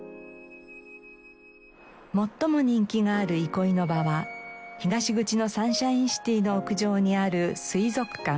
最も人気がある憩いの場は東口のサンシャインシティの屋上にある水族館。